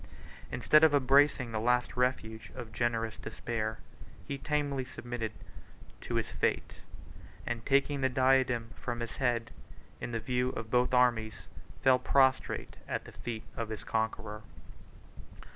Instead of embracing the last refuge of generous despair, he tamely submitted to his fate; and taking the diadem from his head, in the view of both armies fell prostrate at the feet of his conqueror.